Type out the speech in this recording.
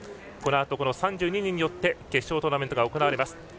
このあと３２人によって決勝トーナメントが行われます。